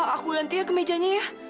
aku gantinya kemejanya ya